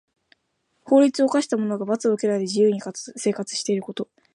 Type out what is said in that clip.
法律を犯した者が罰を受けないで自由に生活していること。